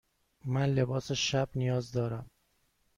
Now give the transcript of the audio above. من لباس شب نیاز دارم.